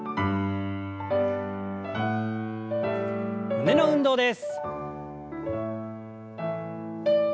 胸の運動です。